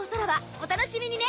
お楽しみにね！